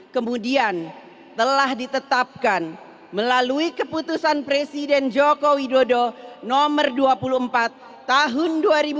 kemudian telah ditetapkan melalui keputusan presiden joko widodo nomor dua puluh empat tahun dua ribu dua puluh